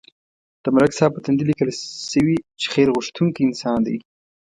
د ملک صاحب په تندي لیکل شوي چې خیر غوښتونکی انسان دی.